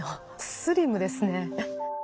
スリムですね。